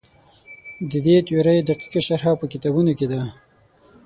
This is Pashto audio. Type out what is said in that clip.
د دې تیورۍ دقیقه شرحه په کتابونو کې ده.